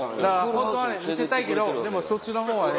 ホントはね見せたいけどでもそっちの方はね。